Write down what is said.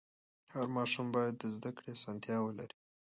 هر ماشوم باید د زده کړې اسانتیا ولري.